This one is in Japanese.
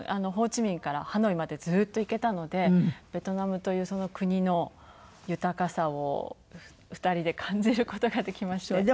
ホーチミンからハノイまでずっと行けたのでベトナムという国の豊かさを２人で感じる事ができまして。